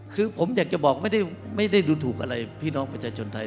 คือผมอยากจะบอกไม่ได้ดูถูกอะไรพี่น้องประชาชนไทย